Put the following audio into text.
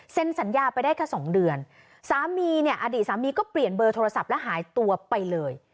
สัญญาไปได้แค่สองเดือนสามีเนี่ยอดีตสามีก็เปลี่ยนเบอร์โทรศัพท์และหายตัวไปเลย